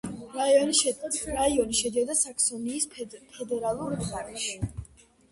რაიონი შედიოდა საქსონიის ფედერალურ მხარეში.